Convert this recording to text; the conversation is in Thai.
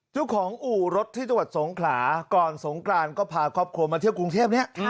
เจ้าของอู่รถที่จังหวัดสงขลาก่อนสงกรานก็พาครอบครัวมาเที่ยวกรุงเทพเนี่ย